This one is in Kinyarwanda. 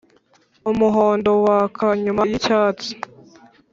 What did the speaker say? Umuhondo waka nyuma y’icyatsi